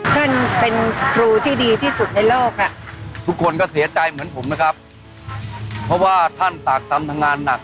ตั้งแต่โครงการที่ท่านทำ๔๐๐๐บาทกว่าโครงการนี้